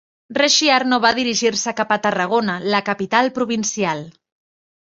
Rechiar no va dirigir-se cap a Tarragona, la capital provincial.